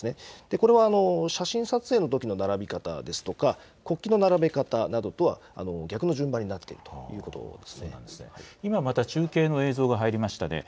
これは写真撮影のときの並び方ですとか、国旗の並べ方などとは逆の順番になっているということで今また中継の映像が入りましたね。